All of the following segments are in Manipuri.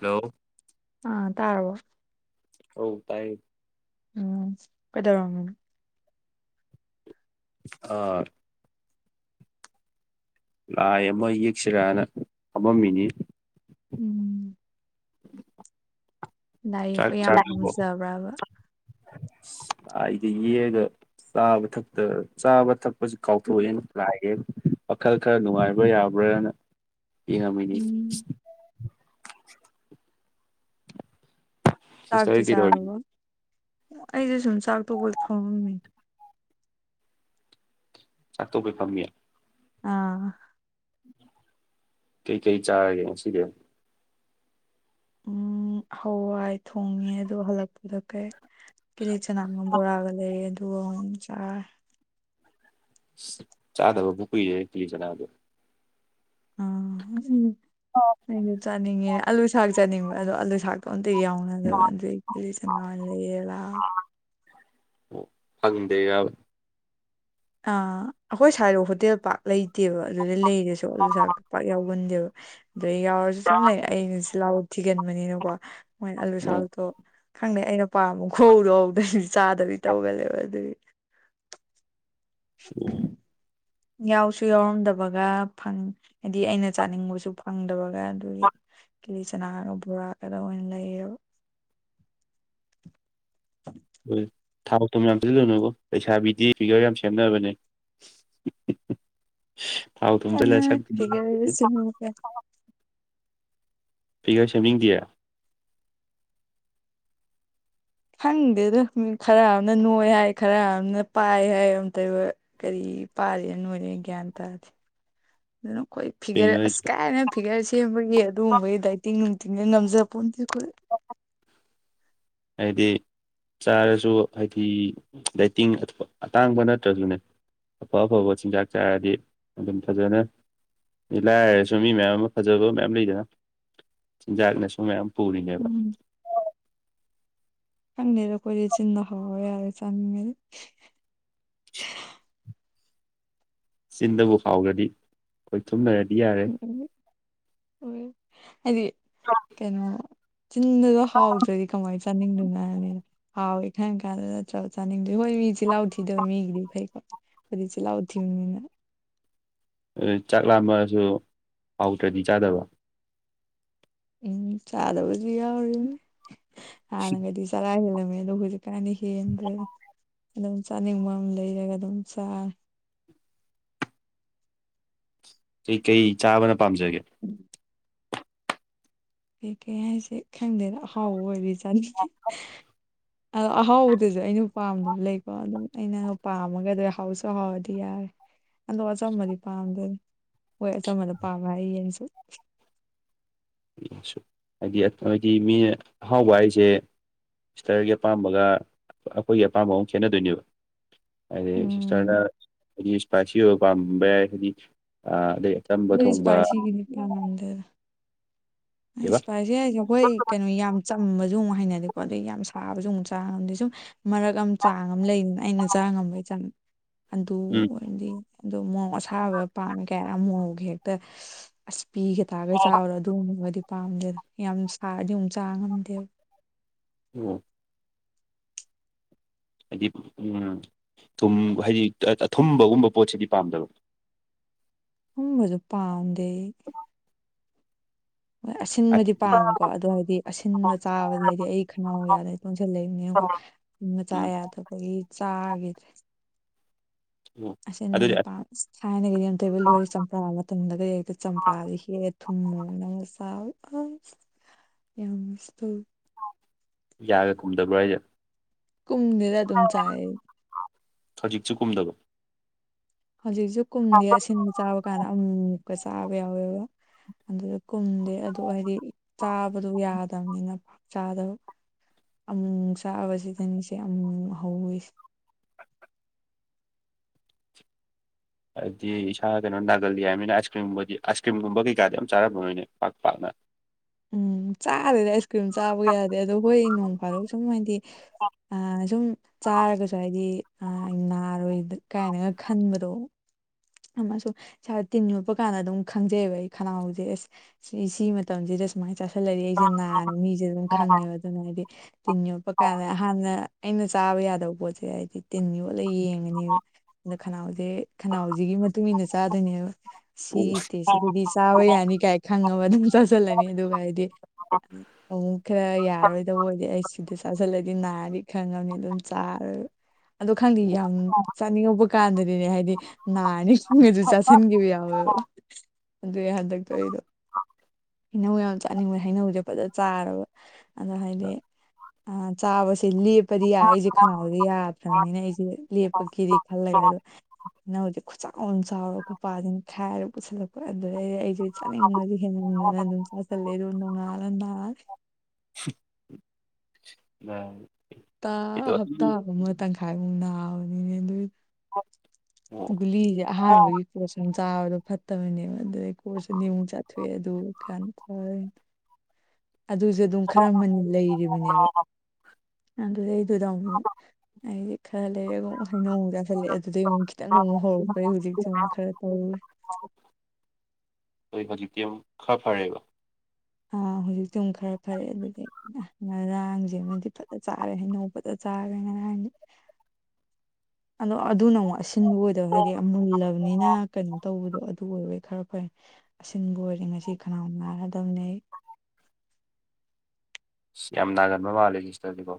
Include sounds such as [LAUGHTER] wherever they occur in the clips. ꯍꯜꯂꯣ ꯑ ꯇꯥꯕꯣ ꯍ ꯇꯥꯏ ꯎꯝ ꯀꯗ ꯋꯥ ꯑ ꯂꯥꯏ ꯑꯃ ꯌꯦꯛꯁꯤꯔꯅ ꯐꯝꯃꯝꯃꯤꯅꯤ ꯎꯝ ꯂꯥꯏ ꯆꯥꯛ ꯌꯦꯛꯄ ꯌꯥꯝ ꯆꯕꯣ ꯄꯥꯝꯖꯕ꯭ꯔꯕ ꯑꯩꯗꯤ ꯌꯦꯛꯒ ꯆꯥꯕ ꯊꯛ ꯆꯥꯕ ꯊꯛꯄꯁꯤ ꯀꯥꯎꯊꯣꯛꯑꯦꯅ ꯂꯥꯏꯌꯦꯦ ꯋꯥꯈꯜ ꯈꯔ ꯅꯨꯡꯉꯥꯏꯕ꯭ꯔꯥ ꯌꯥꯕ꯭ꯔꯅ ꯌꯦꯡꯉꯝꯃꯤꯅꯤ ꯎꯝ ꯁꯤꯁꯇꯔ ꯆꯥꯛꯇꯤ ꯀꯩꯗꯧꯔꯤ ꯆꯥꯔꯕ ꯑꯩꯁꯦ ꯁꯨꯝ ꯆꯥꯛꯇꯣꯛꯧꯕ ꯐꯣꯡꯉꯝꯃꯦ ꯆꯥꯛꯊꯣꯛꯩ ꯐꯝꯃꯤ ꯑꯥ ꯀꯩꯀꯩ ꯆꯥꯔꯒꯦ ꯁꯤꯗꯤ ꯎꯝ ꯍꯋꯥꯏ ꯊꯣꯡꯉꯦ ꯑꯗꯣ ꯍꯜꯂꯛꯄꯗ ꯀꯩ ꯀꯤꯂꯠ ꯆꯅꯥꯝ ꯑꯃ ꯕꯣꯔꯥꯒ ꯂꯩꯔꯦ ꯑꯗꯨꯒ ꯑꯃꯨꯛ ꯆꯥ ꯆꯥꯗꯕ ꯕꯨꯀꯔꯤꯁꯦ ꯄꯤꯂꯤ ꯆꯅꯥꯗꯣ ꯑ ꯑꯣ ꯑꯩꯗꯣ ꯆꯥꯅꯤꯡꯉꯦꯅꯦ ꯑꯥꯂꯨ ꯁꯥꯛ ꯆꯥꯅꯤꯡꯕ ꯑꯗꯣ ꯑꯥꯂꯨ ꯁꯥꯛꯇꯣ ꯑꯝꯇ ꯌꯥꯎꯅ ꯑꯗꯨꯏ ꯀꯤꯅꯤ ꯆꯥꯅꯥ ꯑꯣꯏꯅ ꯂꯩꯔ ꯂꯥꯛꯑꯕ ꯐꯪꯗꯩꯔꯒ ꯑ ꯑꯩꯈꯣꯏ ꯁꯥꯏꯔꯣ ꯍꯣꯇꯦꯜ ꯄꯥꯛ ꯂꯩꯇ ꯇꯦꯕ ꯑꯗꯨꯗꯩ ꯂꯩꯔꯁꯨ ꯑꯂꯨꯁꯥꯛꯇ ꯄꯥꯛ ꯌꯥꯎꯒꯟꯗꯦꯕ ꯑꯗꯨꯗ ꯌꯥꯎꯔꯁꯨ ꯁꯨꯝ ꯂꯩ ꯑꯩꯅ ꯆꯤꯜ ꯂꯥꯎꯕ ꯊꯤꯒꯟꯕꯅꯤꯅꯀꯣ ꯃꯣꯏꯅ ꯑꯥꯂꯨ ꯑꯣ ꯁꯥꯛꯗꯣ ꯈꯪꯗꯦ ꯑꯩꯅ ꯄꯥꯝꯕ ꯈꯨꯍꯧꯗꯣ ꯍꯧꯗ꯭ꯔꯗꯤ ꯆꯥꯗꯕꯤꯗꯤ ꯇꯧꯒꯜꯂꯦꯕ ꯑꯗꯨꯗꯤ ꯑꯣ ꯌꯥꯎꯁꯨ ꯌꯥꯎꯔꯝꯗꯕꯒ ꯐꯪ ꯍꯥꯏꯗꯤ ꯑꯩꯅ ꯆꯥꯅꯤꯡꯕꯁꯨ ꯐꯪꯗꯕꯒ ꯑꯗꯨꯒꯤ ꯀꯦꯂꯤ ꯆꯅꯥꯒ ꯕꯣꯔꯥꯒꯗ ꯑꯣꯏꯅ ꯂꯩꯌꯦꯕ ꯍꯣꯏ ꯊꯥꯎ ꯊꯨꯝ ꯌꯥꯝꯁꯤꯜꯂꯨꯅꯕꯣ ꯂꯩꯩꯁꯥꯕꯤꯗꯤ ꯐꯤꯒꯔ ꯌꯥꯝ ꯁꯦꯝꯅꯕꯅꯦ [UNINTELLIGIBLE] ꯊꯥꯎ ꯊꯨꯝ ꯑ ꯆꯥꯁꯤꯜꯂ ꯁꯛ ꯍꯤꯒ ꯁꯤꯃꯒ ꯄꯤꯒꯔ ꯁꯦꯝꯅꯤꯡꯗꯦ ꯈꯪꯗꯦ ꯑꯗꯣ ꯃꯤ ꯈꯔ ꯑꯃꯅ ꯅꯣꯏ ꯍꯥꯏ ꯈꯔ ꯑꯃꯅ ꯄꯥꯏ ꯍꯥꯏ ꯑꯝꯇꯕ ꯀꯔꯤ ꯄꯥꯔꯤꯅ ꯅꯣꯏꯔꯦ ꯒ꯭ꯌꯥꯟ ꯇꯥꯔꯗꯤꯦ ꯑꯗꯨꯅ ꯑꯩꯈꯣꯏ ꯐꯤꯒꯔ ꯀꯩꯅꯣ ꯑꯁ ꯍꯥꯏꯁꯦ ꯀꯥꯏꯅ ꯐꯤꯒꯔ ꯁꯦꯝꯕꯒꯤ ꯑꯗꯨꯒꯨꯝꯕꯒꯤ ꯗꯥꯏꯇꯤꯡ ꯅꯨꯡꯇꯤꯡꯗ ꯅꯝꯖ ꯄꯣꯗꯤ ꯍꯥꯏꯗꯤ ꯆꯥꯔꯁꯨ ꯍꯥꯏꯗꯤ ꯗꯥꯏꯇꯤꯡ ꯑꯇꯥꯡꯕ ꯅꯠꯇ꯭ꯔꯁꯨꯅꯦ ꯑꯐ ꯑꯐꯕ ꯆꯤꯟꯖꯥꯛ ꯆꯥꯔꯗꯤ ꯑꯗꯨꯝ ꯐꯖꯅ ꯂꯥꯏꯔꯁꯨ ꯃꯤ ꯃꯌꯥꯝ ꯑꯃ ꯐꯖꯕ ꯃꯌꯥꯝ ꯂꯩꯗꯅ ꯆꯤꯟꯖꯥꯛꯅꯁꯨ ꯃꯌꯥꯝ ꯄꯨꯂꯤꯗꯦꯕ ꯎꯝ ꯐꯪꯗꯦꯗ ꯑꯩꯈꯣꯏꯗꯤ ꯆꯤꯟꯅ ꯍꯥꯎꯔ ꯌꯔꯦ ꯆꯅꯤꯡꯉꯗꯤ ꯆꯤꯟꯗꯕꯨ ꯐꯥꯎꯈꯗꯤ ꯈꯣꯏ ꯊꯨꯝꯅꯔꯗꯤ ꯌꯥꯔꯦ ꯎꯝ ꯑꯣ ꯍꯥꯏꯗꯤ ꯀꯩꯅꯣ ꯆꯤꯟꯗꯁꯨ ꯍꯥꯎꯗ꯭ꯔꯗꯤ ꯀꯃꯥꯏꯅ ꯆꯅꯤꯡꯗꯨꯅ ꯍꯥꯏ ꯍꯥꯎꯋꯦ ꯈꯪ ꯀꯥꯟꯗ ꯆ ꯆꯥꯅꯤꯡꯗꯦ ꯍꯣꯏ ꯃꯤ ꯆꯤꯜꯂꯥꯎꯊꯤꯗꯕ ꯃꯤꯒꯤꯗꯤ ꯐꯩꯀꯣ ꯈꯣꯏꯗꯤ ꯆꯤꯜꯍꯥꯎ ꯊꯤꯕꯅꯤꯅ ꯆꯥꯛ ꯂꯥꯝꯃꯁꯨ ꯄꯥꯎꯇ꯭ꯔꯗꯤ ꯆꯥꯗꯕ ꯎꯝ ꯆꯥꯗꯕꯁꯨ ꯌꯥꯎꯔꯤꯅꯤ ꯍꯥꯟꯅꯒꯗꯤ ꯆꯔꯥ ꯍꯦꯜꯂꯝꯃꯦ ꯑꯗꯣ ꯍꯧꯖꯤꯛ ꯀꯥꯅꯤ ꯍꯦꯟꯗ꯭ꯔꯦ ꯑꯗꯨꯝ ꯆꯥꯅꯤꯡꯕ ꯑꯃ ꯂꯩꯔꯒ ꯑꯗꯨꯝ ꯆꯥꯔꯦ ꯀꯩꯀꯩ ꯆꯥꯕꯅ ꯄꯥꯝꯖꯒꯦ ꯎꯝ ꯀꯩ ꯀꯩ ꯍꯥꯏꯁꯦ ꯈꯪꯗꯦꯅ ꯑꯍꯥꯎꯕ ꯑꯣꯏꯔꯤꯖꯥꯠꯅꯤꯉꯦ ꯑꯗꯣ ꯑꯍꯥꯎꯕꯗꯨꯁꯨ ꯑꯩꯅ ꯄꯥꯝꯗꯕ ꯂꯩꯀꯣ ꯑꯗꯨꯝ ꯑꯩꯅ ꯄꯥꯝꯃꯒꯗꯤ ꯍꯥꯎꯁꯨ ꯍꯥꯎꯔꯗꯤ ꯌꯥꯔꯦ ꯑꯗꯣ ꯑꯆꯝꯕꯗꯤ ꯄꯥꯝꯗ ꯍꯣꯏ ꯑꯆꯝꯕꯗ ꯄꯥꯝꯃꯦ ꯍꯥꯏꯌꯦꯡꯁꯨ ꯍꯥꯏꯗꯤ ꯍꯥꯏꯗꯤ ꯃꯤꯅ ꯑꯍꯥꯎꯕ ꯍꯥꯏꯁꯦ ꯁꯤꯁꯇꯔꯒꯤ ꯑꯄꯥꯝꯕꯒ ꯑꯩꯈꯣꯏꯒꯤ ꯑꯄꯥꯝꯕ ꯑꯃ ꯈꯦꯠꯅꯗꯣꯏꯅꯦꯕ ꯍꯥꯏꯗꯩ ꯁꯤꯁꯇꯔꯅ ꯎꯝ ꯍꯥꯏꯗꯤ ꯏꯁꯄꯥꯏꯁꯤ ꯑꯣꯏꯕ ꯄꯥꯝꯕ ꯌꯥꯏ ꯍꯥꯏꯗꯤ ꯑꯗꯩ ꯑꯆꯝꯕ ꯊꯣꯡꯕ ꯏꯁꯄꯥꯏꯁꯤ ꯀꯅꯤ ꯄꯥꯝꯗꯦꯗ ꯀꯩꯕ ꯏꯁꯄꯥꯏ ꯁꯤ ꯍꯥꯏꯁꯦ ꯑꯩꯈꯣꯏ ꯀꯩꯅꯣ ꯌꯥꯝ ꯆꯝꯕꯁꯨ ꯑꯃꯨꯛ ꯍꯩꯅꯗꯦꯀꯣ ꯑꯗꯩ ꯌꯥꯝ ꯁꯥꯕꯁꯨ ꯑꯃꯨꯛ ꯆꯥ ꯉꯝꯗꯦ ꯁꯨꯝ ꯃꯔꯛ ꯑꯃ ꯆꯥꯡ ꯑꯃ ꯂꯩꯗꯅ ꯑꯩꯅ ꯆꯥ ꯉꯝꯕꯩ ꯆꯥꯡ ꯑꯗꯨ ꯎꯝ ꯑꯣꯏꯔꯗꯤ ꯑꯣ ꯃꯣꯔꯧ ꯑꯁꯥꯕ ꯄ ꯀꯌꯥ ꯃꯣꯔꯧꯒ ꯍꯦꯛꯇ ꯑꯁ ꯄꯤꯒ ꯇꯥꯒꯩ ꯆꯥꯎꯔꯣ ꯊꯣꯡꯉꯕꯗꯤ ꯄꯥꯝꯗꯦꯗ ꯌꯥꯝ ꯁꯥꯔꯗꯤ ꯑꯃꯨꯛ ꯆꯥ ꯉꯝꯗꯦꯕ ꯎꯝ ꯍꯥꯏꯗꯤ ꯎꯝ ꯊꯨꯝ ꯍꯥꯏꯗꯤ ꯑꯊꯨꯝꯕꯒꯨꯝꯕ ꯄꯣꯠꯁꯤꯗꯤ ꯄꯥꯝꯗꯕ ꯍꯨꯝꯕꯁꯨ ꯄꯥꯝꯗꯦ ꯍꯣꯏ ꯑꯁꯤꯟꯕꯗꯤ ꯄꯥꯝꯃꯤꯀꯣ ꯑꯗꯣ ꯍꯥꯏꯗꯤ ꯑꯁꯤꯟꯕ ꯆꯥꯕꯗ ꯍꯥꯏꯗꯤ ꯑꯩ ꯈꯅꯥꯎ ꯀꯌꯥꯗ ꯇꯣꯡꯁꯤꯜꯂꯛꯏꯕꯅꯤꯅꯀꯣ ꯎ ꯃꯆꯥ ꯎꯝ ꯌꯥꯗꯕꯒꯤ ꯆꯥꯈꯤꯗ꯭ꯔꯦ ꯑꯣ ꯑꯗꯨꯗꯤ ꯑꯁꯤꯟꯕꯗꯤ ꯄꯥꯝ ꯑꯁ ꯊꯥꯏꯅꯒꯗꯤ ꯑꯝꯇ ꯑꯣꯏꯕ ꯂꯣꯏꯔꯦ ꯆꯄ꯭ꯔꯥꯒꯗꯤ ꯇꯨꯝꯗꯒꯩ ꯍꯦꯛꯇ ꯆꯝꯄ꯭ꯔꯥꯁꯦ ꯍꯦꯛꯂ ꯊꯨꯝ ꯃꯣꯔꯣꯛ ꯅꯪ ꯁ ꯌꯥꯝꯁꯇꯨ ꯌꯥꯒꯦ ꯀꯨꯝꯗꯧꯕꯖ ꯀꯨꯝꯅꯤꯔ ꯍꯧꯖꯤꯛꯁꯨ ꯀꯨꯝꯗꯕ ꯍꯧꯖꯤꯛꯁꯨ ꯀꯨꯝꯗꯤ ꯑꯁꯤꯟꯕ ꯆꯥꯕ ꯀꯥꯟꯗ ꯑꯃꯃꯨꯛꯀ ꯆꯥꯕ ꯌꯥꯎꯋꯦꯕ ꯑꯗꯨ ꯀꯨꯝꯗꯦ ꯑꯗꯨ ꯍꯥꯏꯗꯤ ꯆꯥꯕꯗꯨ ꯌꯥꯗꯕꯅꯤꯅ ꯆꯥꯗꯕ ꯑꯃꯨꯛ ꯆꯥꯕꯁꯤꯗꯅꯤꯁꯦ ꯑꯃꯨꯛ ꯍꯧꯋꯤꯁꯦ ꯍꯥꯏꯗꯤ ꯏꯁꯥ ꯀꯩꯅꯣ ꯅꯥꯒꯜꯂꯤ ꯍꯥꯏꯕꯅꯤꯅ ꯑꯥꯏꯁ ꯀ꯭ꯔꯤꯝꯒꯨꯝꯕꯗꯤ ꯑꯥꯏꯁ ꯀ꯭ꯔꯤꯝꯒꯨꯝꯕ ꯀꯩꯀꯥꯗꯤ ꯌꯥꯝ ꯆꯥꯔꯝꯃꯔꯣꯏꯅꯦ ꯄꯥꯛ ꯄꯥꯛꯅ ꯎꯝ ꯆꯥꯔꯦꯗꯤ ꯑꯥꯏꯁ ꯀ꯭ꯔꯤꯝ ꯆꯥꯕꯒꯤ ꯌꯥꯗꯗꯤ ꯑꯗꯣ ꯍꯣꯏ ꯅꯣꯡ ꯐꯥꯗꯣꯛ ꯁꯨꯝ ꯍꯥꯏꯗꯤ ꯑ ꯁꯨꯝ ꯆꯥꯔꯒꯁꯨ ꯍꯥꯏꯗꯤ ꯅꯥꯔꯣꯏꯗ ꯀꯥꯏꯅꯒ ꯈꯟꯕꯗꯣ ꯑꯃꯁꯨ ꯏꯁꯥꯗ ꯇꯤꯟ ꯌꯣꯠꯄ ꯀꯥꯟꯗ ꯑꯗꯨꯝ ꯈꯪꯖꯩꯑꯕ ꯑꯩ ꯈꯅꯥꯎꯁꯦ ꯑꯦꯁ ꯁꯤ ꯃꯇꯝꯁꯤꯗ ꯁꯨꯃꯥꯏꯅ ꯆꯥꯥꯁꯜꯂꯛꯏ ꯑꯩꯁꯦ ꯅꯥꯔꯦ ꯃꯤꯁꯦ ꯑꯗꯨꯝ ꯈꯪꯉꯦꯕ ꯑꯗꯨꯅ ꯍꯥꯏꯗꯤ ꯇꯤꯟ ꯌꯣꯞꯄ ꯀꯥꯟꯗ ꯍꯥꯟꯅ ꯑꯩꯅ ꯆꯥꯕ ꯌꯥꯗꯕ ꯄꯣꯠꯁꯦ ꯍꯥꯏꯗꯤ ꯇꯤꯟ ꯌꯣꯠꯂꯒ ꯌꯦꯡꯉꯅꯦꯕ ꯑꯗ ꯈꯅꯥꯎꯁꯦ ꯈꯅꯥꯎꯁꯤꯒꯤ ꯃꯇꯨꯡ ꯏꯟꯅ ꯆꯥꯗꯣꯏꯅꯦꯕ ꯁꯤ ꯏꯁꯇꯦ ꯁꯤꯗꯗꯤ ꯆꯥꯕ ꯌꯥꯅꯤ ꯀꯥꯏ ꯈꯪꯉꯒ ꯑꯗꯨꯝ ꯆꯥꯁꯤꯜꯂꯅꯤ ꯑꯗꯨꯒ ꯍꯥꯏꯗꯤ ꯑꯃꯨꯛ ꯈꯔ ꯌꯥꯔꯣꯏꯗꯕ ꯑꯣꯏꯗꯤ ꯑꯩ ꯁꯤꯗ ꯆꯥꯁꯤꯜꯂꯗꯤ ꯅꯥꯗꯤ ꯈꯪꯉꯕꯅꯤ ꯑꯗꯨꯝ ꯆꯥꯔ ꯑꯗꯣ ꯈꯪꯗꯦ ꯌꯥꯝ ꯆꯥꯅꯤꯡꯉꯧꯕ ꯀꯥꯟꯗꯗꯤꯅꯦ ꯍꯥꯏꯗꯤ ꯅꯥꯅꯤꯤꯡꯕ ꯑꯗꯨ ꯆꯥꯥꯁꯟꯈꯤꯕ ꯌꯥꯎꯋꯦꯕ ꯑꯗꯨꯏ ꯍꯟꯗꯛꯇꯣ ꯑꯩꯗꯣ ꯍꯩꯅꯧ ꯌꯥꯝ ꯆꯥꯅꯤꯡꯕ ꯍꯩꯅꯧꯁꯦ ꯐꯖ ꯆꯥꯔꯕ ꯑꯗꯣ ꯍꯥꯏꯗꯤ ꯑ ꯆꯥꯕꯁꯦ ꯂꯦꯞꯄꯗꯤ ꯌꯥꯏ ꯑꯩꯁꯦ ꯈꯅꯥꯎꯗ ꯌꯥꯗ꯭ꯔꯕꯅꯤꯅ ꯑꯩꯁꯦ ꯂꯦꯞꯄꯒꯤꯗꯤ ꯈꯜꯂꯒꯦ ꯑꯗꯨ ꯅ ꯍꯧꯖꯤꯛ ꯈꯨꯠꯆ ꯆꯥꯎꯅ ꯆꯥꯎꯔ ꯈꯨꯠꯄꯥꯁꯤꯅ ꯈꯥꯏꯔꯒ ꯄꯨꯁꯜꯂꯛꯄ ꯑꯗꯨꯗꯩꯗꯤ ꯑꯩꯁꯦ ꯆꯥꯅꯤꯡꯕꯗꯤ ꯍꯦꯗꯅ ꯑꯗꯨꯝ ꯑꯁꯂꯦ ꯑꯗꯨ ꯑꯣꯏꯅꯣꯉ ꯑꯂꯗꯥ ꯎꯝ ꯍꯞꯇꯥ ꯍꯞꯇꯥꯒꯨꯝꯕ ꯇꯪꯈꯥꯏꯃꯨꯛ ꯅꯥꯕꯅꯤꯅꯦ ꯑꯗꯨ ꯑꯣ ꯒꯨꯂꯤꯁꯦ ꯑꯍꯥꯟꯕꯒꯤ ꯀꯣꯠꯁ ꯑꯃ ꯆꯥꯕꯗꯣ ꯐꯠꯇꯕꯅꯦꯕ ꯑꯗꯨꯗꯩ ꯀꯣꯠꯁꯨ ꯑꯅꯤꯨ ꯑꯃꯨꯛ ꯆꯠ ꯊꯣꯛꯑ ꯑꯗꯨ ꯀꯥꯟꯇ ꯐꯩ ꯑꯗꯨꯁꯨ ꯑꯗꯨꯝ ꯈꯔ ꯃꯅꯤꯜ ꯂꯩꯔꯤꯕꯅꯦꯕ ꯑꯗꯨꯗꯩꯗꯨꯗ ꯑꯃꯨꯛ ꯑꯩꯗꯤ ꯈꯔ ꯂꯩꯔꯒ ꯑꯃꯨꯛ ꯍꯩꯅꯧ ꯑꯃꯨꯛ ꯆꯥꯁꯜꯂꯦ ꯑꯗꯨꯗꯩ ꯑꯃꯨꯛ ꯈꯤꯇꯪ ꯑꯃꯨꯛ ꯍꯧꯔꯛꯄꯗꯩ ꯍꯧꯖꯤꯛꯇꯤ ꯑꯃꯨꯛꯛ ꯈꯔ ꯇꯧꯔꯦ ꯍꯣꯏ ꯍꯧꯖꯤꯛꯇꯤ ꯑꯃꯨꯛ ꯈꯔ ꯐꯔꯦꯕ ꯑ ꯍꯧꯖꯤꯛꯇꯤ ꯑꯃꯨꯛ ꯈꯔ ꯐꯔꯦ ꯑꯗꯨꯗꯒꯤ ꯉꯔꯥꯡꯁꯦꯃꯗꯤ ꯐꯖ ꯆꯥꯔꯦ ꯍꯩꯅꯧ ꯐꯖꯅ ꯆꯥꯔꯒ ꯉꯔꯥꯡꯗꯤ ꯑꯗꯣ ꯑꯗꯨꯅ ꯑꯃꯨꯛ ꯑꯁꯤꯟꯕ ꯑꯣꯏꯗꯕ ꯍꯥꯏꯗꯤ ꯃꯨꯜꯂꯕꯅꯤꯅ ꯀꯩꯅꯣ ꯇꯧꯕꯗꯣ ꯑꯗꯨ ꯑꯣꯏꯕꯩ ꯈꯔ ꯐꯩ ꯑꯁꯤꯟꯕ ꯑꯣꯏꯔꯗꯤ ꯉꯁꯤ ꯈꯅꯥꯎ ꯅꯥꯔꯗꯧꯅꯤ ꯑꯩ ꯑꯁ ꯌꯥꯝ ꯅꯥꯒꯟꯕ ꯃꯥꯜꯂꯦ ꯁꯤꯁꯇꯔꯗꯤꯀꯣ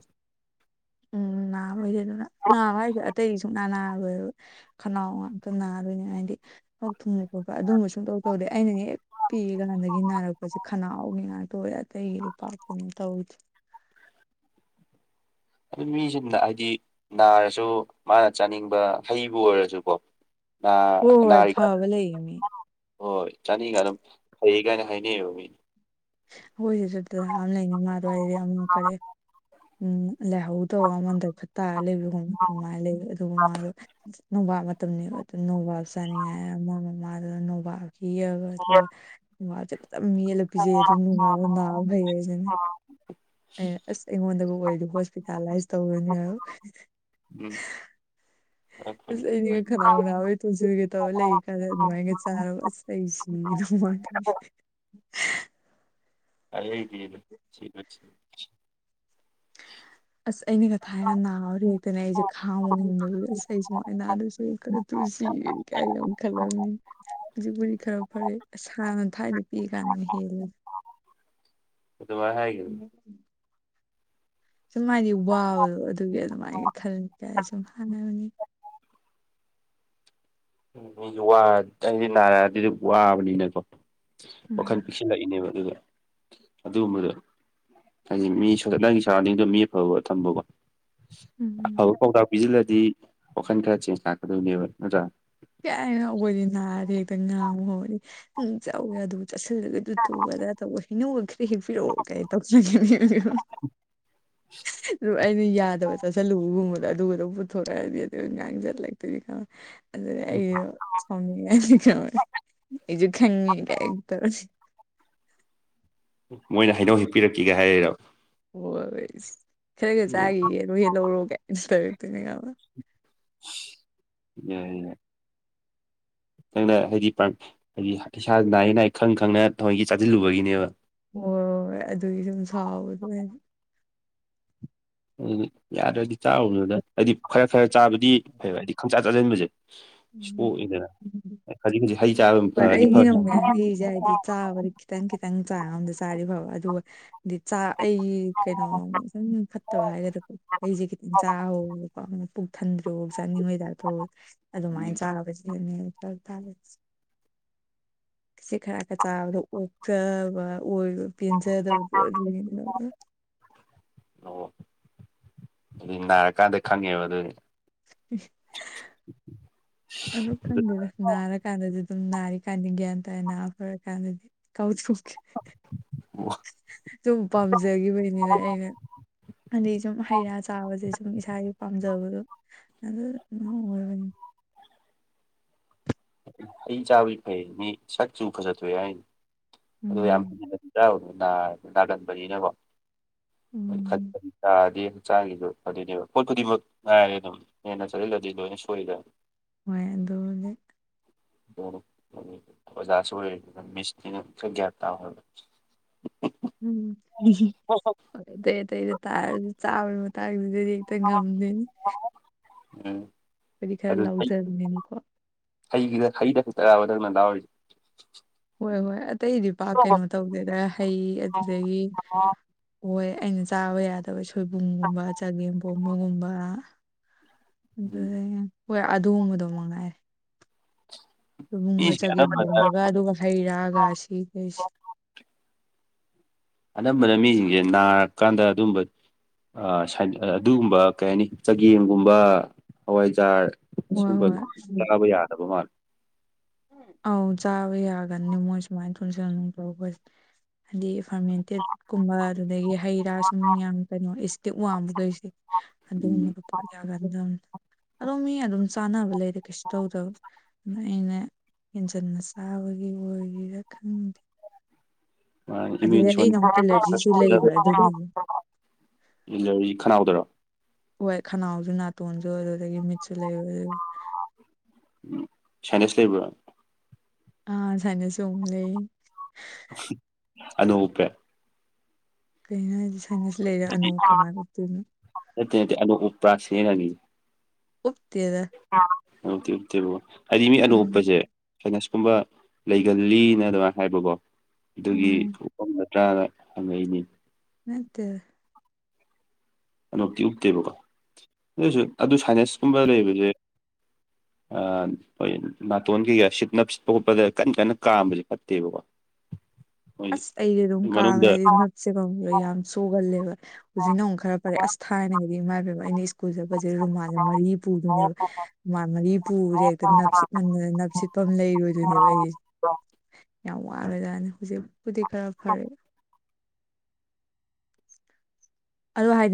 ꯎꯝ ꯅꯥꯕꯩꯁꯦ ꯑꯗꯨꯅ ꯅꯥꯕ ꯍꯥꯏꯁꯦ ꯑꯇꯩꯒꯤ ꯁꯨꯛꯅꯥ ꯅꯥꯔꯣꯏꯕ ꯈꯅꯥꯎ ꯉꯥꯛꯇ ꯅꯥꯗꯣꯏꯅꯤ ꯍꯥꯏꯗꯤ ꯂꯣꯛ ꯊꯨꯡꯕ ꯈꯣꯠꯄ ꯑꯗꯨꯒꯨꯝꯕ ꯁꯨꯡ ꯇꯧ ꯇꯧꯗꯦ ꯑꯩꯅ ꯍꯦꯛ ꯄꯤꯛꯏ ꯀꯥꯟꯗꯒꯤ ꯅꯥꯔꯛꯄꯁꯦ ꯈꯅꯥꯎꯒꯤ ꯉꯥꯛꯇ ꯑꯣꯏꯑꯦ ꯑꯇꯩꯒꯤ ꯄꯥꯛ ꯀꯩꯅꯣ ꯇꯧꯒꯤꯗꯦ ꯃꯤꯁꯤꯡꯅ ꯍꯥꯏꯗꯤ ꯅꯥꯔꯁꯨ ꯃꯥꯅ ꯆꯥꯅꯤꯡꯕ ꯍꯩꯕꯨ ꯑꯣꯏꯔꯁꯨꯀꯣ [UNINTELLIGIBLE] ꯕ ꯂꯩꯌꯦ ꯃꯤ ꯍꯣꯏ ꯆꯥꯅꯤꯡꯉꯒ ꯑꯗꯨꯝ ꯐꯩꯌꯦ ꯀꯥꯏꯅ ꯍꯥꯏꯅꯩꯕ ꯃꯤꯅꯤ [UNINTELLIGIBLE] ꯌꯥꯝꯅ ꯀꯔꯦ ꯎꯝ ꯂꯩꯍꯧ ꯗꯧꯔ ꯑꯃ ꯗꯥꯏꯐꯠ ꯇꯥꯔ ꯂꯩꯕꯗꯨ ꯈꯪꯕ꯭ꯔ ꯑꯗꯨꯃꯥꯏꯅ ꯂꯩ ꯑꯗꯨꯒ ꯃꯥꯗꯣ ꯅꯣꯕꯥꯞ ꯃꯇꯝꯅꯤꯅꯦꯕ ꯑꯗꯨ ꯅꯣꯕꯥꯞ ꯆꯥꯅꯤꯡꯉꯥꯏ ꯑꯃ ꯃꯃꯥꯗꯨ ꯅꯣꯕꯥꯞ ꯍꯦꯛꯔꯒ ꯑꯗꯨꯒ [UNINTELLIGIBLE] ꯐꯖꯅ ꯃꯦꯠꯂꯒ ꯄꯤꯖꯩꯌꯦ ꯑꯗꯨ ꯅꯨꯡꯉꯥꯜꯂꯒ ꯅꯥꯕ ꯐꯩꯌꯦꯁꯤꯅꯦ ꯑꯩ ꯑꯁ ꯑꯩꯉꯣꯟꯗꯒ ꯑꯣꯏꯔꯗꯤ ꯍꯣꯁꯄꯤꯇꯥꯂꯥꯏꯁ ꯇꯧꯔꯅꯦ ꯍꯥꯏꯕ ꯎꯝ ꯑꯁ ꯑꯩꯗꯤ ꯈꯅꯥꯎ ꯅꯥꯕꯩ ꯇꯣꯟꯁꯤꯟꯒꯦ ꯇꯧꯔ ꯂꯩ ꯀꯥꯟꯁꯤꯗ ꯑꯗꯨꯃꯥꯏꯒ ꯆꯥꯔꯕ ꯑꯁ ꯑꯩ ꯁꯤꯒꯗꯧ ꯃꯥꯟꯂꯦ ꯑꯩꯗꯤ [INAUDIBLE] [UNINTELLIGIBLE] [INAUDIBLE] ꯑꯁ ꯑꯩꯅꯒ ꯊꯥꯏꯅ ꯅꯥꯕꯗꯣ ꯍꯦꯛꯇꯅꯦ ꯑꯩꯁꯦ ꯈꯥꯡꯕ ꯉꯝꯗꯕꯗꯨ ꯑꯁ ꯑꯩ ꯁꯨꯃꯥꯏꯅ ꯅꯥꯗꯨꯁꯨ ꯇꯨ ꯁꯤ [UNINTELLIGIBLE] ꯈꯂꯝꯃꯤ ꯍꯧꯖꯤꯛꯄꯨꯗꯤ ꯈꯔ ꯐꯔꯦ ꯑꯁ ꯍꯥꯟꯅ ꯊꯥꯏꯅ ꯄꯤꯛꯏ ꯀꯥꯟꯅ ꯍꯦꯜꯂꯤꯗ ꯑꯗꯨꯃꯥꯏ ꯍꯥꯏ [UNINTELLIGIBLE] ꯁꯨꯝ ꯍꯥꯏꯗꯤ ꯋꯥꯕꯗꯣ ꯑꯗꯨꯒꯤ ꯑꯗꯨꯃꯥꯏꯅ ꯈꯜ ꯀꯥꯏ ꯁꯨꯝ ꯍꯥꯏꯕꯅꯤ [UNINTELLIGIBLE] ꯅꯥꯔꯛꯑꯗꯤ ꯋꯥꯕꯅꯤꯅꯀꯣ ꯋꯥꯈꯜ ꯎꯝ ꯄꯤꯛꯁꯤꯜꯂꯛꯏꯅꯦꯕ ꯑꯗꯨꯗꯣ ꯑꯗꯨꯒꯨꯝꯕꯗꯣ ꯍꯥꯏꯗꯤ ꯃꯤ ꯅꯪꯒꯤ ꯁꯔꯥꯎꯟꯗꯤꯡꯗꯣ ꯃꯤ ꯑꯐꯕ ꯊꯝꯕꯀꯣ ꯎꯝ ꯑꯐꯕ ꯄꯥꯎꯇꯥꯛ ꯄꯤꯁꯤꯜꯂꯗꯤ ꯋꯥꯈꯜ ꯈꯔ ꯆꯦꯟꯖ ꯂꯥꯛꯀꯗꯣꯏꯅꯦꯕ ꯅꯠꯇ꯭ꯔꯥ ꯀꯥꯏꯗꯩꯅꯣ ꯑꯩꯈꯣꯏꯗꯤ ꯅꯥꯔꯗꯤ ꯍꯦꯛꯇ ꯉꯥꯡꯕ ꯍꯧꯔꯛꯏ ꯅꯪ ꯆꯥꯎꯋꯦ ꯑꯗꯨ ꯆꯥꯁꯤꯜꯂꯒ ꯑꯗꯨ ꯇꯧꯕ ꯑꯗꯥ ꯇꯧꯕ ꯍꯩꯅꯨꯒ ꯈꯔ ꯍꯦꯛꯄꯤꯔꯛꯑꯣ ꯀꯥꯏꯅ ꯇꯧ [UNINTELLIGIBLE] [UNINTELLIGIBLE] [INAUDIBLE] [UNINTELLIGIBLE] ꯑꯗꯨ ꯑꯩꯅ ꯌꯥꯗꯕ ꯆꯥꯁꯤꯜꯂꯨꯕꯒꯨꯝꯕꯗꯣ ꯑꯗꯨꯒꯗ ꯄꯨꯊꯣꯔꯛꯑꯗꯤ ꯑꯗꯨꯒ ꯉꯥꯡꯁꯤꯜꯂꯛꯇꯣꯏꯅꯤ ꯈꯪ ꯑꯗꯨꯅ ꯑꯩꯁꯨ ꯁꯥꯎꯅꯤꯡꯉꯛꯑꯅꯤ ꯈꯪꯉꯕ꯭ꯔꯥ ꯑꯩꯁꯨ ꯈꯪꯉꯤ ꯀꯥꯏꯅ ꯇꯧꯔꯅꯤ ꯃꯣꯏꯅ ꯍꯩꯅꯧ ꯍꯦꯛꯄꯤꯔꯛꯀꯦꯒ ꯍꯥꯏꯔꯛꯔꯕ ꯍꯣꯏꯁ ꯈꯔꯒ ꯆꯥꯈꯤꯒꯦꯔꯣ ꯍꯦꯛꯂꯛꯎꯔꯣ ꯀꯥꯏ ꯇꯧꯔꯛꯇꯣꯏꯅꯦ ꯈꯪꯕ [UNINTELLIGIBLE] ꯅꯪꯅ ꯍꯥꯏꯗꯤ ꯍꯥꯏꯗꯤ ꯏꯁꯥ ꯅꯥꯏ ꯅꯥꯏ ꯈꯪ ꯈꯪꯅ ꯊꯑꯣꯏꯒꯤ ꯆꯥꯁꯤꯜꯂꯨꯕꯒꯤꯅꯦꯕ ꯍꯣꯏ ꯑꯗꯨꯒꯤ ꯁꯨꯝ ꯁꯥꯎꯕꯗꯣ ꯑꯗꯨꯗꯤ ꯌꯥꯗ꯭ꯔꯗꯤ ꯆꯥꯔꯨꯅꯤꯅ ꯍꯥꯏꯗꯤ ꯈꯔ ꯈꯔ ꯆꯥꯕꯗꯤ ꯐꯩꯕ ꯍꯥꯏꯗꯤ ꯈꯪꯆꯥ ꯆꯥꯁꯤꯟꯕꯁꯦ ꯁꯣꯛꯏꯗꯅ ꯈꯖꯤꯛ ꯈꯖꯤꯛ ꯍꯩ ꯆꯥꯕ ꯍꯣꯏ ꯐꯔꯗꯤ ꯑꯩꯒꯤꯅꯥ ꯐꯔꯤ ꯑꯃꯨꯛꯅꯦ ꯍꯁꯦ ꯍꯥꯏꯗꯤ ꯆꯥꯕꯗꯤ ꯈꯤꯇꯪ ꯈꯤꯇꯪ ꯆꯥꯡ ꯑꯝꯗ ꯆꯥꯔꯤ ꯐꯕ ꯑꯗꯨꯒ ꯗꯤ ꯆꯥꯛ ꯑꯩ ꯀꯩꯅꯣ ꯁꯨꯝ ꯐꯠꯇꯕ ꯍꯥꯏꯒꯗ꯭ꯔꯣ ꯑꯩꯁꯦ ꯈꯤꯇꯪ ꯆꯥꯍꯧꯕꯒꯥ ꯀꯣ ꯄꯨꯛ ꯊꯟꯗ꯭ꯔꯤꯕꯥꯎ ꯆꯥꯅꯤꯡꯕꯒꯤ ꯇꯥꯏ꯭ꯄ ꯇꯧꯏ ꯑꯗꯨꯃꯥꯏꯅ ꯆꯥꯕꯅꯤ [UNINTELLIGIBLE] ꯁꯦ ꯈꯔ ꯈꯔ ꯆꯥꯕꯗꯣ ꯑꯣꯛꯇꯕ ꯑꯣꯏꯕ ꯄꯦꯟꯖꯗꯕꯗꯣ ꯂꯩꯗꯅ ꯑꯣ ꯑꯗꯨꯗꯤ ꯅꯥꯔꯀꯥꯟꯗ ꯈꯪꯉꯦꯕ ꯑꯗꯨꯗꯤ ꯎ [UNINTELLIGIBLE] ꯑꯗꯨꯝ ꯈꯪꯗꯦꯗ ꯅꯥꯔꯀꯥꯟꯗꯗꯤ ꯑꯗꯨꯝ ꯅꯥꯔꯤꯀꯥꯟꯗ ꯒ꯭ꯌꯥꯟ ꯇꯥꯏ ꯅꯥ ꯐꯔ ꯀꯥꯟꯗꯗꯤ [UNINTELLIGIBLE] ꯁꯨꯝ ꯄꯥꯝꯖꯈꯤꯕꯅꯤꯅ ꯑꯩꯅ ꯑꯗꯩ ꯁꯨꯝ ꯍꯩ ꯔꯥ ꯆꯥꯕꯁꯦ ꯁꯨꯝ ꯏꯁꯥꯒꯤ ꯄꯥꯝꯖꯕꯗꯣ ꯑꯗꯨ ꯑꯍꯨꯝ ꯑꯣꯏꯕꯅꯤ ꯍꯩ ꯆꯥꯕꯗꯤ ꯐꯩ ꯃꯤ ꯁꯛ ꯆꯨ ꯐꯖꯠꯇꯣꯛꯑꯦ ꯍꯥꯏꯅꯤ ꯑꯗꯨ ꯌꯥꯝ ꯎꯝ ꯍꯗꯤ [UNINTELLIGIBLE] ꯅꯥꯒꯟꯕꯅꯤꯅꯀꯣ ꯎꯝ [UNINTELLIGIBLE] ꯇꯥꯔꯥꯗꯤ ꯆꯥꯒꯤꯗꯨ ꯑꯗꯨꯏꯅꯦꯕ ꯄꯣꯠ ꯈꯨꯗꯤꯡꯃꯛ ꯉꯥꯏꯔꯦ ꯑꯗꯨꯝ ꯍꯦꯟꯅ ꯆꯠꯁꯤꯜꯂꯗꯤ ꯂꯣꯏꯅ ꯁꯣꯏꯔꯤꯗ ꯍꯣꯏ ꯑꯗꯣ ꯑꯣꯖꯥꯁꯨ ꯑꯣꯏ ꯃꯤꯁꯅꯤꯅꯥ ꯈꯔꯥ ꯒꯌ꯭ꯥꯟ ꯇꯥꯎ ꯍꯥꯏꯕꯥ ꯎꯝ ꯍꯣꯏ ꯑꯇꯩ ꯑꯇꯩꯗ ꯇꯥꯔꯁꯨ ꯆꯥꯕꯒꯤ ꯃꯇꯥꯡꯁꯤꯗꯗꯤ ꯇ ꯉꯝꯗꯦꯅꯦ ꯎꯝ ꯑꯩꯗꯤ ꯈꯔ ꯑꯗꯨ ꯍꯩ ꯂꯥꯎꯖꯕꯅꯤꯅꯀꯣ ꯍꯩꯒꯤꯗ ꯍꯩꯗ ꯈꯛꯇꯔꯕ ꯅꯪꯅ ꯂꯥꯎꯔꯤꯁꯦ ꯍꯣꯏ ꯍꯣꯏ ꯑꯇꯩꯗꯤ ꯄꯥꯛ ꯀꯩꯅꯣ ꯇꯧꯗꯦꯗ ꯍꯩ ꯑꯗꯨꯗꯒꯤ ꯍꯣꯏ ꯑꯩꯅ ꯆꯥꯕ ꯌꯥꯗꯕ ꯁꯣꯏꯕꯨꯝꯒꯨꯝꯕ ꯆꯒꯦꯝ ꯄꯣꯝꯕꯒꯨꯝꯕ ꯑ ꯎꯝ ꯍꯣꯏ ꯑꯗꯨꯒꯨꯝꯕꯗꯣ ꯃꯉꯥꯏꯔꯦ [INAUDIBLE] ꯁꯣꯏꯕꯨꯒ ꯃꯤꯁꯤꯡ ꯆꯒꯦꯝ ꯑꯅꯝꯕꯅ ꯄꯣꯝꯕꯒ ꯑꯗꯨꯒ ꯍꯩ ꯔꯥꯒ ꯁꯤ ꯀꯩꯁꯤ ꯑꯅꯝꯕꯅ ꯃꯤꯁꯤꯡꯁꯦ ꯅꯥꯔꯀꯥꯟꯗ ꯑꯗꯨꯝꯕ ꯑꯗꯨꯒꯨꯝꯕ ꯀꯩ ꯍꯥꯏꯅꯤ ꯆꯒꯦꯝꯒꯨꯝꯕ ꯍꯋꯥꯏꯖꯥꯔ ꯍꯣꯏ ꯁꯨꯝꯕꯗꯤ ꯍꯣꯏ ꯆꯥꯕ ꯌꯥꯗꯕ ꯃꯥꯜꯂꯦ ꯑꯧ ꯆꯥꯕ ꯌꯥꯒꯟꯗꯦ ꯃꯣꯏ ꯁꯨꯃꯥꯏꯅ ꯅꯨꯡꯁꯪ ꯇꯧꯕꯁꯦ ꯍꯥꯏꯗꯤ ꯐꯥꯔꯃꯦꯟꯇꯦꯠ ꯀꯨꯝꯕ ꯑꯗꯨꯗꯒꯤ ꯍꯩ ꯔꯥ ꯁꯨꯝ ꯌꯥꯝ ꯀꯩꯅꯣ ꯏꯁꯇꯤꯛ ꯋꯥꯡꯕꯈꯩꯁꯦ ꯎꯝ ꯑꯗꯨꯒꯨꯝꯕꯗ ꯌꯥꯒꯟꯗꯝꯅꯦ ꯑꯗꯝ ꯃꯤ ꯑꯗꯨꯝ ꯆꯥꯅꯕ ꯂꯩꯗꯥ ꯀꯩꯁꯨ ꯇꯧꯗꯕ ꯑꯗ ꯑꯩꯅ ꯍꯦꯟꯖꯤꯟꯅ ꯆꯥꯕꯒꯤ ꯑꯣꯏꯒꯦꯔꯥ ꯈꯪꯗꯦ ꯑꯗꯨꯗ ꯏꯃꯦꯟꯁꯨ [UNINTELLIGIBLE] ꯑꯩꯅ ꯑꯃꯨꯛ ꯑꯦꯂꯔꯖꯤꯁꯨ ꯂꯩꯕ ꯑꯗꯨꯗꯨꯒꯤ [UNINTELLIGIBLE] ꯈꯅꯥꯎꯗꯔꯥ ꯍꯣꯏ ꯈꯅꯥꯎꯁꯨ ꯅꯥꯇꯣꯟꯁꯨ ꯑꯗꯨ ꯑꯗꯒꯤ ꯃꯤꯠꯁꯨ ꯂꯩꯔ ꯎꯝ ꯁꯥꯏꯅ꯭ꯁ ꯂꯩꯕ꯭ꯔꯥ ꯑ ꯁꯥꯏꯅ꯭ꯁ ꯁꯨ ꯑꯃꯨꯛ ꯂꯩ ꯑꯥꯅꯣꯛ ꯎꯞꯄꯦ ꯀꯩꯅꯣ ꯍꯥꯏꯗꯤ ꯁꯥꯏꯅꯁ ꯂꯩꯔꯦ ꯑꯅꯣꯛ ꯀꯃꯥꯏꯅ ꯎꯞꯇꯣꯏꯅꯣ ꯅꯠꯇꯦ ꯅꯠꯇꯦ ꯑꯥꯅꯣꯛ ꯎꯄ꯭ꯔꯥ [UNINTELLIGIBLE] ꯅꯤ ꯎꯞꯇꯦꯗ ꯑꯣ ꯑꯅꯣꯛ ꯎꯞꯇꯦꯕꯀꯣ ꯍꯥꯏꯗꯤ ꯃꯤ ꯑꯅꯣꯛ ꯎꯝ ꯎꯞꯄꯁꯦ ꯁꯥꯏꯅꯁꯀꯨꯝꯕ ꯂꯩꯒꯜꯂꯤꯅ ꯑꯗꯨꯃꯥꯏꯅ ꯍꯥꯏꯕꯀꯣ ꯑꯗꯨꯒꯤ ꯎꯝ ꯎꯞꯄꯝꯕꯅꯦ ꯇ꯭ꯔꯥꯅ ꯍꯪꯉꯛꯏꯅꯤ ꯅꯠꯇꯦꯗ ꯑꯅꯣꯞꯇꯤ ꯎꯞꯇꯦꯕꯀꯣ ꯑꯗꯨꯁꯨ ꯑꯗꯨ ꯁꯥꯏꯅꯁꯀꯨꯝꯕ ꯂꯩꯕꯁꯦ ꯑꯥ ꯅꯥꯇꯣꯟ ꯀꯩꯒ ꯁꯤꯠꯅ ꯁꯤꯠꯄ ꯈꯣꯠꯄꯗ ꯀꯟꯅ ꯀꯟꯅ ꯀꯥꯝꯕꯁꯦ ꯐꯠꯇꯦꯕꯀꯣ ꯃꯣꯏ ꯑꯁ ꯑꯩꯗꯤ ꯑꯗꯨꯝ ꯀꯥꯝꯃꯦ ꯃꯅꯨꯡꯗ ꯍꯥꯏꯗꯤ ꯌꯥꯝ ꯁꯣꯒꯜꯂꯦꯕ ꯍꯧꯖꯤꯛꯅ ꯑꯃꯨꯛ ꯈꯔ ꯐꯔꯦ ꯑꯁ ꯊꯥꯏꯅꯒꯤꯗꯤ ꯏꯃꯥ ꯄꯦꯃ ꯑꯩꯅ ꯁꯀꯨꯜ ꯆꯠꯄꯁꯦ ꯔꯨꯃꯥꯟꯁꯦ ꯃꯔꯤ ꯄꯨꯗꯣꯏꯅꯦꯕ ꯃꯔꯤ ꯄꯨꯕꯁꯦ ꯍꯦꯛꯇ ꯅꯞꯁꯤꯠꯃꯥꯟꯗꯅ ꯅꯞꯁꯤꯠꯄꯥꯝ ꯂꯩꯔꯣꯏꯗꯣꯏꯅꯦꯕ ꯑꯩꯁꯦ ꯌꯥꯝ ꯋꯥꯈꯔꯥꯖꯠꯅꯤ ꯍꯧꯖꯤꯛꯄꯨꯗꯤ ꯈꯔ ꯐꯔꯦ ꯑꯗꯨ ꯍꯥꯏꯗꯤ